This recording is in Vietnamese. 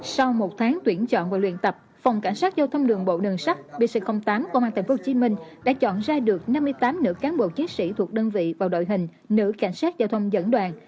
sau một tháng tuyển chọn và luyện tập phòng cảnh sát giao thông đường bộ đường sắt pc tám của mạng thành phố hồ chí minh đã chọn ra được năm mươi tám nữ cán bộ chiến sĩ thuộc đơn vị vào đội hình nữ cảnh sát giao thông dẫn đoàn